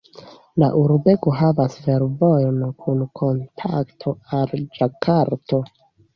La urbego havas fervojon kun kontakto al Ĝakarto.